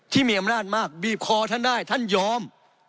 ที่มีอำนาจมากบีบคอท่านได้ท่านยอม